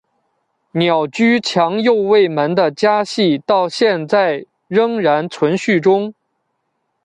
鸟居强右卫门的家系到现在仍然存续中。